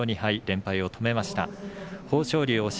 連敗を止めました。